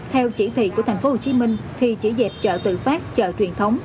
theo chỉ thị của thành phố hồ chí minh thì chỉ dẹp chợ tự phát chợ truyền thống